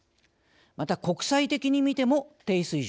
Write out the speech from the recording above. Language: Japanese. また国際的に見ても低水準です。